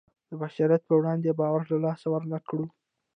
د بشریت په وړاندې باور له لاسه ورنکړو.